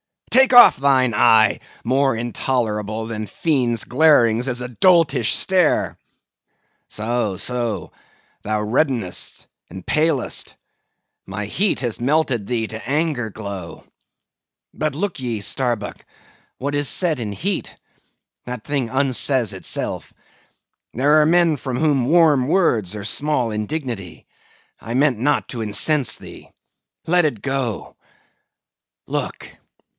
Take off thine eye! more intolerable than fiends' glarings is a doltish stare! So, so; thou reddenest and palest; my heat has melted thee to anger glow. But look ye, Starbuck, what is said in heat, that thing unsays itself. There are men from whom warm words are small indignity. I meant not to incense thee. Let it go. Look!